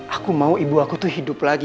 aku mau ibu aku tuh hidup lagi